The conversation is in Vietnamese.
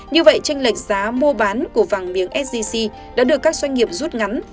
như vậy tranh lệch giá mua bán của vàng miếng s g g đã được các doanh nghiệp rút ngắn